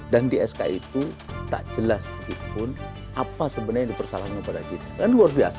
dan di ski itu tak jelas apapun yang dipercatakan kepada kita yang luar biasa